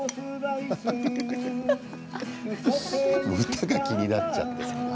歌が気になっちゃってさ。